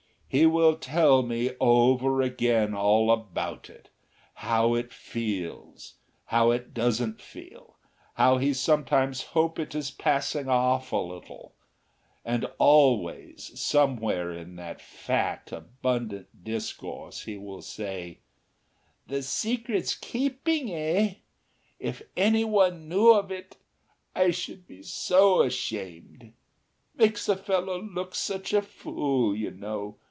He will tell me over again all about it, how it feels, how it doesn't feel, how he sometimes hopes it is passing off a little. And always somewhere in that fat, abundant discourse he will say, "The secret's keeping, eh? If any one knew of it I should be so ashamed.... Makes a fellow look such a fool, you know.